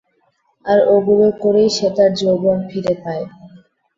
আর এগুলো করেই সে তার যৌবন ফিরে পায়।